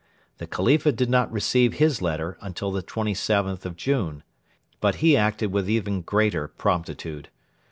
The Khalifa did not receive his letter until the 27th of June. But he acted with even greater promptitude.